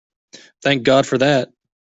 Thank God for that!